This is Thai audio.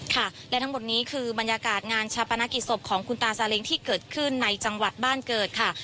ค่ะและทั้งหมดนี้คือบรรยากาศงานชาปนกิจศพของคุณตาซาเล้งที่เกิดขึ้นในจังหวัดบ้านเกิดค่ะ